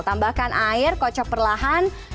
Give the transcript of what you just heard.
tambahkan air kocok perlahan